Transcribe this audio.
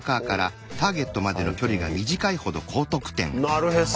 なるへそ。